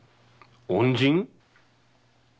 恩人？